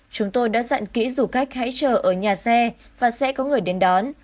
chúng tôi đã dặn kỹ du khách hãy chờ ở nhà xe và sẽ có người đến đón